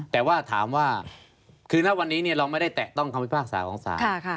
แต่ว่าถามว่าคือณวันนี้เราไม่ได้แตะต้องคำพิพากษาของศาล